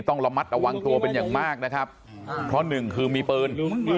ต้องระมัดระวังตัวเป็นอย่างมากนะครับเพราะหนึ่งคือมีปืน